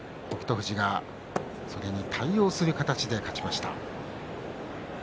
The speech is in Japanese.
富士がそれに対応する形で勝ちました。